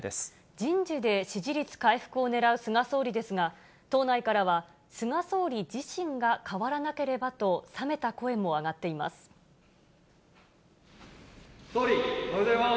人事で支持率回復をねらう菅総理ですが、党内からは菅総理自身が変わらなければと、冷めた声も上がってい総理、おはようございます。